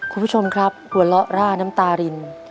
คุณผู้ชมครับหัวเราะร่าน้ำตาริน